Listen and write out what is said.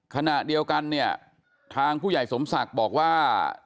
ขณะเดียวกันเนี่ยทางผู้ใหญ่สมศักดิ์บอกว่า